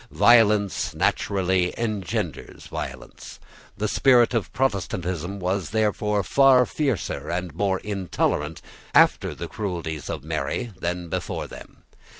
Violence naturally engenders violence. The spirit of Protestantism was therefore far fiercer and more intolerant after the cruelties of Mary than before them.